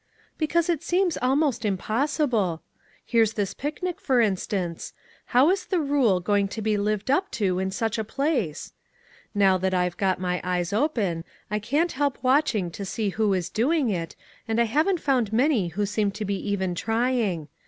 "Because it seems almost impossible. Here's this picnic, for instance. How is the rule going to be lived up to in such a place? Now that I've got my eyes open, I can't help watching to see who is doing it, and I haven't found many who seem to be even trying.